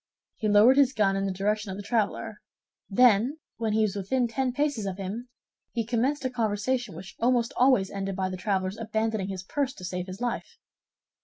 He lowered his gun in the direction of the traveler; then, when he was within ten paces of him, he commenced a conversation which almost always ended by the traveler's abandoning his purse to save his life.